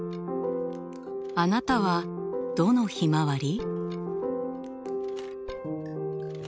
あなたはどのひまわり？